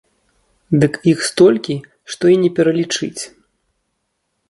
Дык іх столькі, што і не пералічыць.